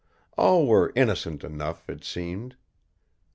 All were innocent enough, it seemed.